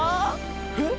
えっ？